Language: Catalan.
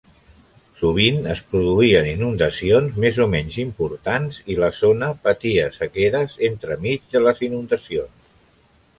Sovint es produïen inundacions més o menys importants, i la zona patia sequeres entremig de les inundacions.